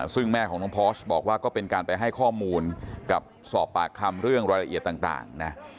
ซึ่งแม่ของน้องพอร์สบอกว่าก็เป็นการไปให้ข้อมูลกับสอบปากคำเรื่องรายละเอียดต่างนะ